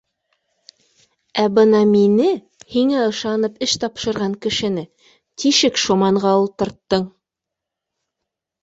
Ә бына мине, һиңә ышанып эш тапшырған кешене, тишек шоманға ултырттың